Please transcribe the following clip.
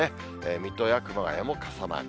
水戸や熊谷も傘マーク。